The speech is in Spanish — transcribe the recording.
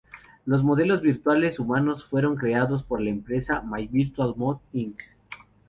Los modelos virtuales humanos fueron creados por la empresa My Virtual Mode Inc.